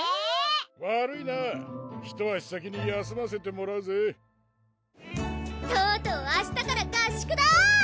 悪いな一足先に休ませてもらうぜとうとう明日から合宿だ！